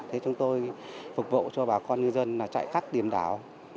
thế chúng tôi phục vụ cho bà con ngư dân là chạy khắp điểm đảo